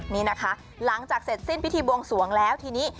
นี่นะคะหลังจากเสร็จสิ้นพิธีบวงสวงแล้วทีนี้